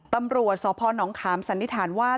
ตำรวจสพนขามสันนิษฐานว่า